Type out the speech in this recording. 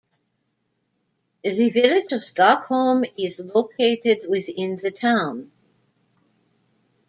The Village of Stockholm is located within the town.